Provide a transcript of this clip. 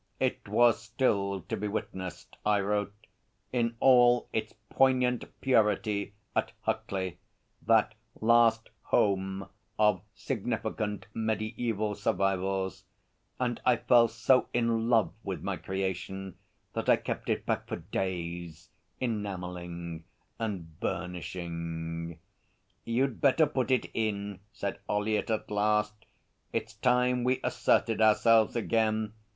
It was still to be witnessed, I wrote, 'in all its poignant purity at Huckley, that last home of significant mediæval survivals'; and I fell so in love with my creation that I kept it back for days, enamelling and burnishing. 'You's better put it in,' said Ollyett at last. 'It's time we asserted ourselves again.